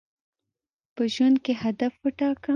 په ژوند کي هدف وټاکه.